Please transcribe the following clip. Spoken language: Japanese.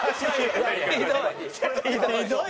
ひどい。